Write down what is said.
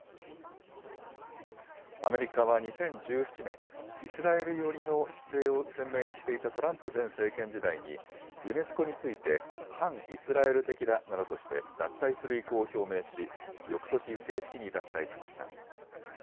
アメリカは２０１７年、イスラエル寄りの姿勢を鮮明にしていたトランプ前政権時代に、ユネスコについて反イスラエル的だなどとして脱退する意向を表明し、翌年、正式に脱退しました。